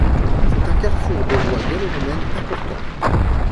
C'est un carrefour de voies gallo-romaines important.